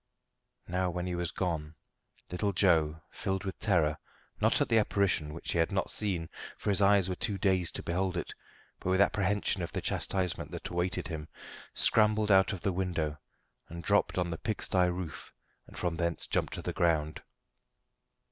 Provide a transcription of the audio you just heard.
Now when he was gone, little Joe, filled with terror not at the apparition, which he had not seen, for his eyes were too dazed to behold it, but with apprehension of the chastisement that awaited him, scrambled out of the window and dropped on the pigsty roof, and from thence jumped to the ground.